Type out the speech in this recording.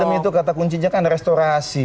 dalam itu kata kuncinya kan restorasi